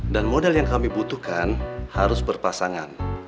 dan model yang kami butuhkan harus berpasangan